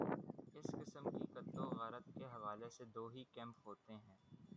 اس قسم کی قتل وغارت کے حوالے سے دو ہی کیمپ ہوتے ہیں۔